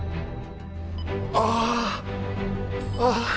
ああ。